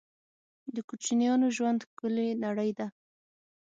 د کوچنیانو ژوند ښکلې نړۍ ده